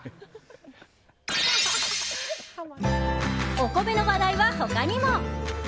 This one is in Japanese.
お米の話題は、他にも。